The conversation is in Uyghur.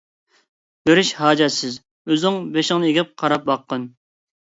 بېرىش ھاجەتسىز، ئۆزۈڭ بېشىڭنى ئېگىپ قاراپ باققىن!